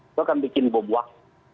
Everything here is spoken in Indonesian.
itu akan bikin boboak